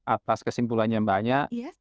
atas kesimpulannya mbaknya